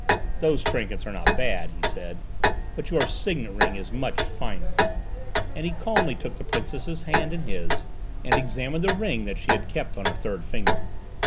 "Those trinkets are not bad," he said, "but your signet ring is much finer," and he calmly took the Princess's hand in his and examined the ring that she had kept on her third finger.